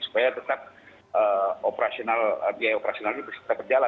supaya tetap biaya operasional ini bisa terjalan